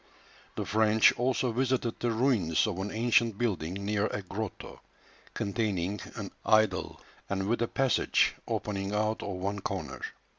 The French also visited the ruins of an ancient building near a grotto, containing an idol, and with a passage opening out of one corner.